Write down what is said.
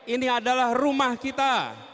ini adalah rumah kita